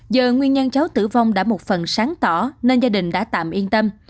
giờ nguyên nhân cháu tử vong đã một phần sáng tỏ nên gia đình đã tạm yên tâm